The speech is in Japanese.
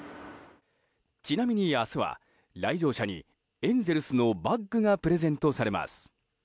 ちなみに明日は、来場者にエンゼルスのバッグがプレゼントされます。